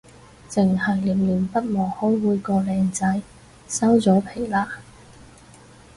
剩係念念不忘開會個靚仔，收咗皮喇